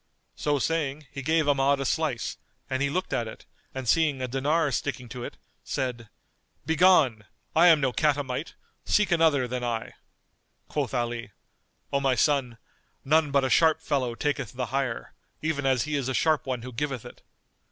So saying, he gave Ahmad a slice, and he looked at it and seeing a dinar sticking to it, said "Begone! I am no catamite: seek another than I." Quoth Ali, "O my son, none but a sharp fellow taketh the hire, even as he is a sharp one who giveth it.